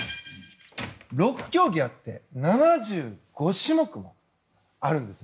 ６競技あって７５種目あるんです。